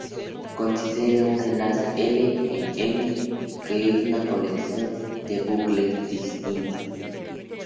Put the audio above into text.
Considere un enlace "L" en "M", que es una colección de l bucles disjuntos.